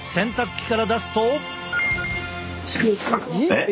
えっ？